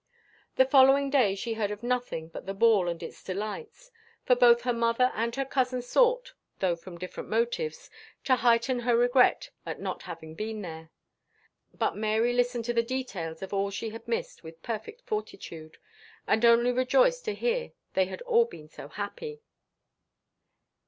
The following day she heard of nothing but the ball and its delights; for both her mother and her cousin sought (though from different motives) to heighten her regret at not having been there. But Mary listened to the details of all she had missed with perfect fortitude, and only rejoiced to hear they had all been so happy.